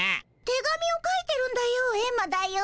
手紙を書いてるんだよ